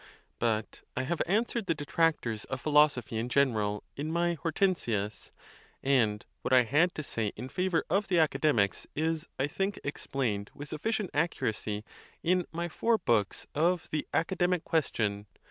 But I have answered the detractors of philosophy in general, in my Hortensius. And what I had to say in favor of the Academics, is, I think, explained with suffi cient accuracy in my four books of the Academic Ques tion.